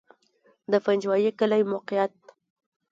د پنجوایي کلی موقعیت